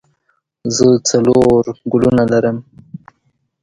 زه څلور ګلونه لرم.